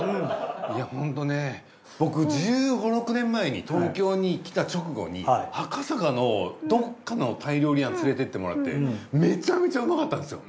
いやホントね僕１５１６年前に東京に来た直後に赤坂のどっかのタイ料理屋つれてってもらってめちゃめちゃうまかったんですよ。